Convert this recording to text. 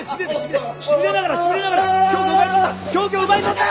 しびれながらしびれながら凶器を奪い取った！